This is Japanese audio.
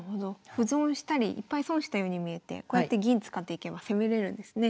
歩損したりいっぱい損したように見えてこうやって銀使っていけば攻めれるんですね。